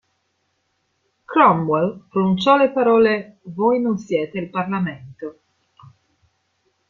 Cromwell pronunciò le parole "Voi non siete il Parlamento.